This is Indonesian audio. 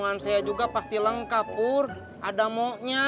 ngomongan saya juga pasti lengkap pur ada mo nya